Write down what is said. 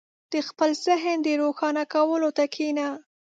• د خپل ذهن د روښانه کولو ته کښېنه.